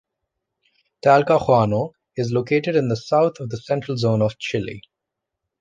Talcahuano is located in the south of the Central Zone of Chile.